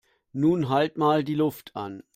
Nun halt mal die Luft an!